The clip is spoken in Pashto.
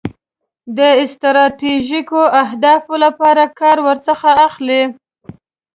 د ستراتیژیکو اهدافو لپاره کار ورڅخه اخلي.